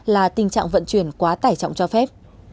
là tình trạng vận chuyển quá tải trọng cho phép